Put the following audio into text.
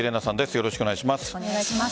よろしくお願いします。